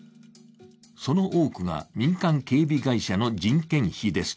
その多くが民間警備会社の人件費です。